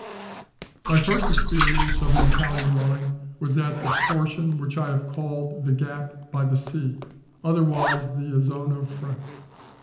My first experience of the Italian line was at the portion which I have called the gap by the sea, otherwise the Isonzo front.